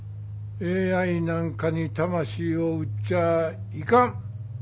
ＡＩなんかに魂を売っちゃいかん。